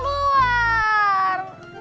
bapak bisa keluar